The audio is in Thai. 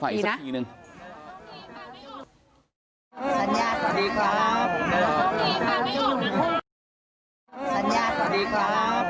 ท่านพูดชูมนุมรักไลเลยนะค่ะ